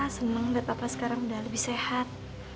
senang liat papa sekarang udah lebih sehat